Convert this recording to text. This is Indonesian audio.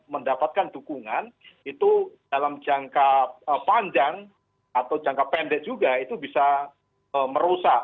mendapatkan dukungan itu dalam jangka panjang atau jangka pendek juga itu bisa merusak